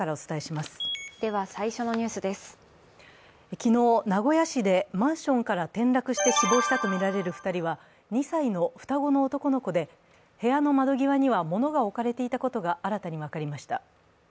昨日名古屋市でマンションから転落して死亡したとみられる２人は、２歳の双子の男の子で部屋の窓際には物が置かれていたことが新たに分かりました。